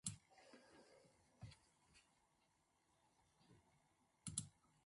Mazākuma un vairākuma attiecībām ir jābūt sabalansētām.